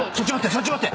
そっち持って。